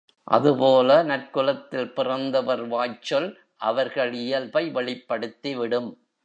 அதுபோல நற்குலத்தில் பிறந்தவர் வாய்ச்சொல் அவர்கள் இயல்பை வெளிப்படுத்திவிடும்.